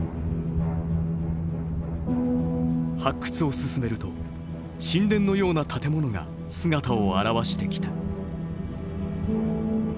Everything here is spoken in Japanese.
発掘を進めると神殿のような建物が姿を現してきた。